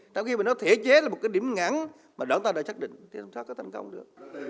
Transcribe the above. trong khi mà nó thể chế là một cái điểm ngắn mà đoán ta đã chắc định thì chúng ta có thành công được